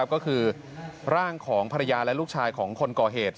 ก็คือร่างของภรรยาและลูกชายของคนก่อเหตุ